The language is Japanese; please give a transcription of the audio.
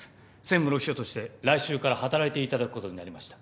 専務の秘書として来週から働いていただくことになりました。